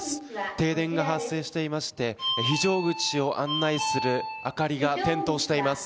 停電が発生していまして非常口を案内する明かりが点灯しています。